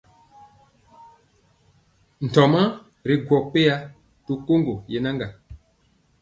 Ntomɔɔ ri gwɔ peya to koŋgo yenaŋga.